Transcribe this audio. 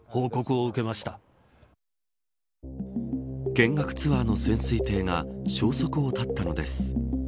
見学ツアーの潜水艇が消息を絶ったのです。